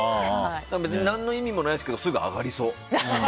何の意味もないけどすぐ上がりそう。